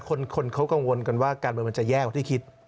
คนเขากังวลกันว่าการเมืองมันจะแย่กว่าที่คิด